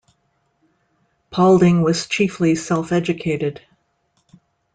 Paulding was chiefly self-educated.